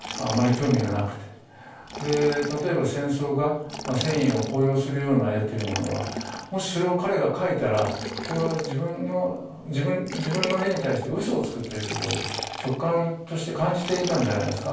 で例えば戦争画戦意を高揚するような絵というものはもしそれを彼が描いたらこれは自分の絵に対してうそをつくということを直感として感じていたんじゃないですか。